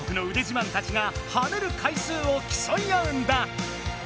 自慢たちがはねる回数をきそい合うんだ！